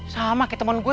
sama kayak temen gue